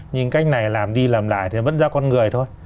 nhưng cách này làm đi làm lại thì vẫn ra con người thôi